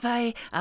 あ。